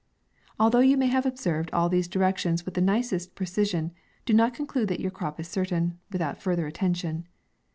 Although you may have observed all these directions with the nicest precision, do not conclude that your crop is certain, without further attention.